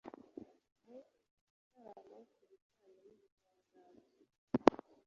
mu gitaramo ku bijyanye n’ubuvanganzo